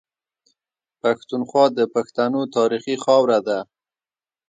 پښتونخوا د پښتنو تاريخي خاوره ده.